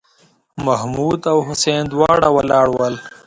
محمـود او حسين دواړه ولاړ ول.